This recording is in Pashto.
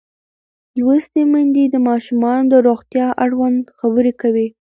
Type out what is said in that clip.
لوستې میندې د ماشومانو د روغتیا اړوند خبرې کوي.